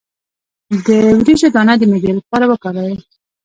د وریجو دانه د معدې لپاره وکاروئ